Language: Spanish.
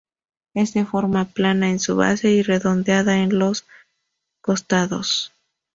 Es de forma plana en su base y redondeada en los costados.